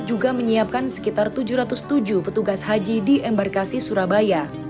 juga menyiapkan sekitar tujuh ratus tujuh petugas haji di embarkasi surabaya